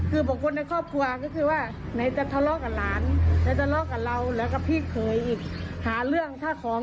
คือบทคนในครอบครัวก็คือว่าไหนจะทะเลาะกับหลาน